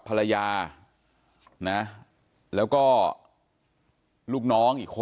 ภรรยาแล้วก็